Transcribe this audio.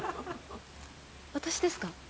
私ですか？